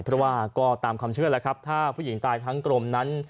เพราะว่าก็ตามความเชื่อแล้วครับถ้าผู้หญิงตายทั้งกรมนั้น